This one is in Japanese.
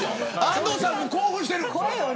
安藤さんも興奮してる。